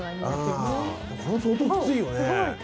でも、これも相当きついよね。